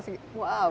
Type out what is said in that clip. apa reaksi orang tua